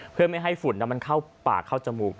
เพื่อไม่ให้ฝุ่นมันเข้าปากเข้าจมูก